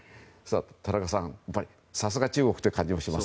田中さん、さすが中国という感じもします。